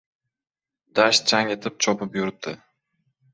Dasht changitib chopib yuribdi!